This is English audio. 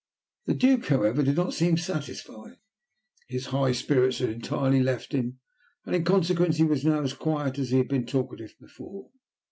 The Duke, however, did not seem satisfied. His high spirits had entirely left him, and, in consequence, he was now as quiet as he had been talkative before.